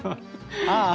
ああ。